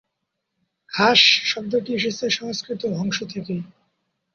হাঁস শব্দটি এসেছে সংস্কৃত হংস থেকে।